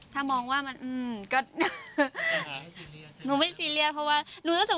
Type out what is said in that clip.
ถ้ามองว่ามันมันก็